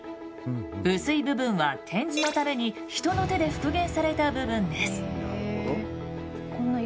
薄い部分は展示のために人の手で復元された部分です。